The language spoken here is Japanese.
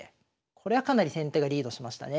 これはかなり先手がリードしましたね。